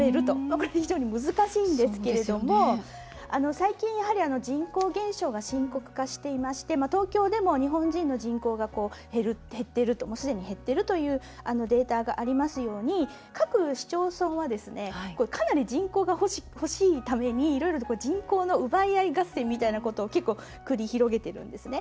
これは非常に難しいんですけども最近、やはり人口減少が深刻化していまして東京でも日本人の人口がすでに減っているというデータがありますように各市町村はかなり人口が欲しいためにいろいろと人口の奪い合い合戦みたいなことを結構、繰り広げているんですね。